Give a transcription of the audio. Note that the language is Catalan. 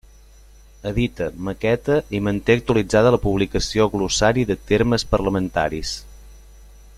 Edita, maqueta i manté actualitzada la publicació Glossari de termes parlamentaris.